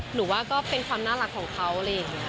หนูว่าก็เป็นความน่ารักของเขาเลยอย่างนี้อะค่ะ